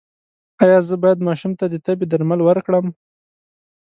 ایا زه باید ماشوم ته د تبې درمل ورکړم؟